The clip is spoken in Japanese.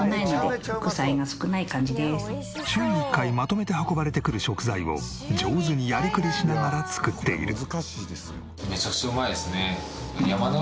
週に１回まとめて運ばれてくる食材を上手にやりくりしながら作っている。